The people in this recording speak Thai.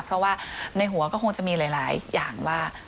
เพราะว่าในหัวก็คงจะมีหลายอย่างว่า